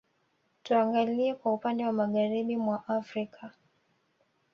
Tuangalie kwa upande wa Magharibi mwa Afrika